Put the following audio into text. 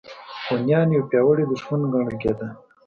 هونیان یو پیاوړی دښمن ګڼل کېده.